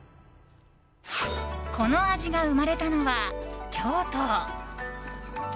この味が生まれたのは京都。